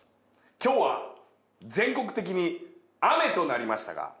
「今日は全国的に」「雨となりましたが」